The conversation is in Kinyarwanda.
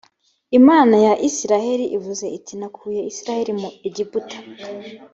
imana ya isirayeli ivuze iti “nakuye isirayeli muri egiputa”